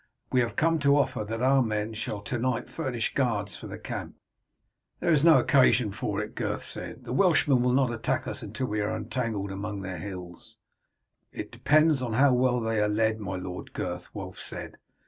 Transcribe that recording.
We have come to offer that our men shall to night furnish guards for the camp." "There is no occasion for it," Gurth said, "the Welshmen will not attack us until we are entangled among their hills." "It depends upon how well they are led, my Lord Gurth," Wulf said.